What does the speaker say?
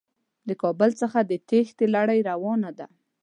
د کابل څخه د تېښتې لړۍ روانه ده.